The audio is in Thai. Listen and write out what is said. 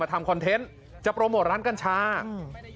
ทำคอนเทนต์จะโปรโมทร้านกัญชาอืม